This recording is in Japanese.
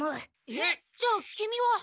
えっじゃあキミは。